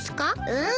うん。